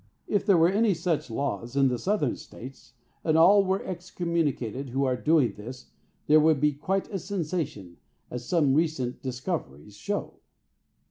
If there were any such laws in the Southern States, and all were excommunicated who are doing this, there would be quite a sensation, as some recent discoveries show.